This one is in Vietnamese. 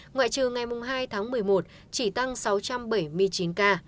ngoại trừ ngày hai tháng một mươi một chỉ tăng sáu trăm bảy mươi chín ca